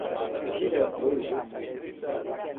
Viradouro